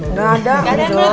nggak ada lo jual